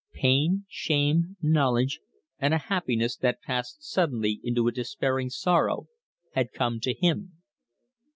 Pain, shame, knowledge, and a happiness that passed suddenly into a despairing sorrow, had come to him.